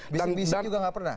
bisik bisik juga nggak pernah